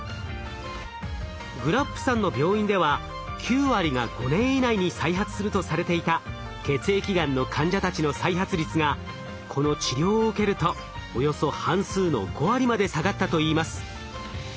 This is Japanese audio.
グラップさんの病院では９割が５年以内に再発するとされていた血液がんの患者たちの再発率がこの治療を受けるとおよそ半数の５割まで下がったといいます。